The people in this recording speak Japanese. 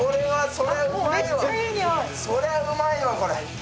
そりゃうまいわこれ。